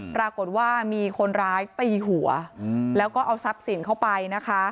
ปรากฏว่ามีคนร้ายตีหัวแล้วก็เอาทรัพย์สินเข้าไปนะคะ